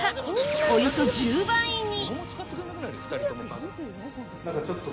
およそ１０倍に！